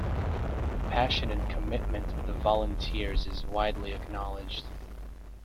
The passion and commitment of the volunteers is widely acknowledged.